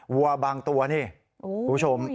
วัวบางตัวนี่คุณผู้ชม